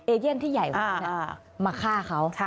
เอเยี่ยมที่ใหญ่กว่านั้นมาฆ่าเขา